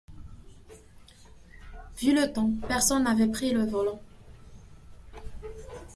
Vu le temps, personne n’avait pris le volant.